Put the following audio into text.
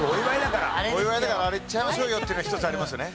お祝いだからアレ行っちゃいましょうよっていうの１つありますね。